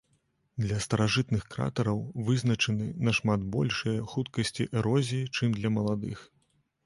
Для старажытных кратараў вызначаны нашмат большыя хуткасці эрозіі, чым для маладых.